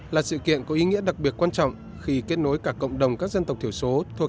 là sự kiện có ý nghĩa đặc biệt quan trọng khi kết nối cả cộng đồng các dân tộc thiểu số thuộc